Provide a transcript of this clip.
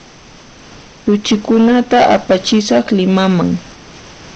Suchikunata apachisaq Limaman